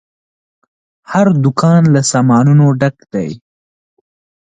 هر دوکان له سامانونو ډک دی.